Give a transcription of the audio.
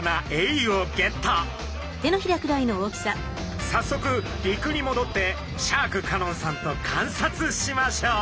さっそく陸にもどってシャーク香音さんと観察しましょう。